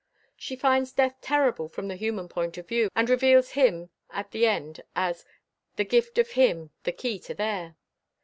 She finds Death terrible from the human point of view, and reveals him at the end as "the gift of Him, the Key to There!"